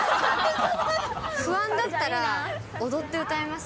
不安だったら、踊って歌います？